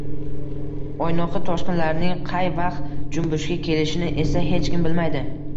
O`ynoqi toshqinlarning qay vaqt jumbushga kelishini esa hech kim bilmaydi